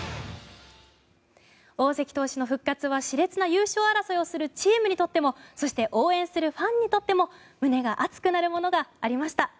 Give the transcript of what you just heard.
大関投手の復活は熾烈な優勝争いをするチームにとってもそして応援するファンにとっても胸が熱くなるものがありました。